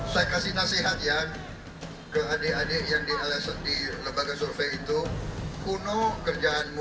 saya kasih nasihat ya ke adik adik yang di lembaga survei itu kuno kerjaanmu